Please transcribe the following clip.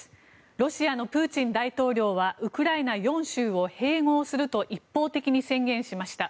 ロシアのプーチン大統領はウクライナ４州を併合すると一方的に宣言しました。